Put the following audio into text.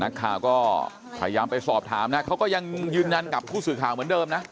นักข่าวก็พยายามไปสอบถามนะเขาก็ยังยืนยันกับผู้สื่อข่าวเหมือนเดิมนะ